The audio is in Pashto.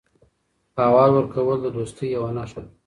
احوال ورکول د دوستۍ یوه نښه ده.